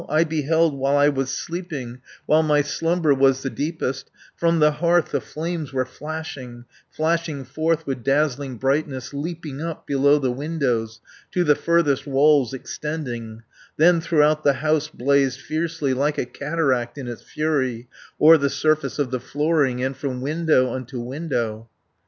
I beheld while I was sleeping, While my slumber was the deepest, From the hearth the flames were flashing, Flashing forth with dazzling brightness, Leaping up below the windows, To the furthest walls extending, 50 Then throughout the house blazed fiercely, Like a cataract in its fury, O'er the surface of the flooring, And from window unto window."